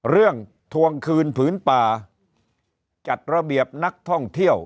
ทวงคืนผืนป่าจัดระเบียบนักท่องเที่ยว